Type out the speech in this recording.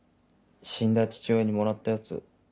死んだ父親にもらったやつ。